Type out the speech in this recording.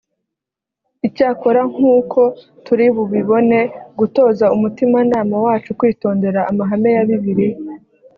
icyakora nk’uko turi bubibone gutoza umutimanama wacu kwitondera amahame ya bibiliya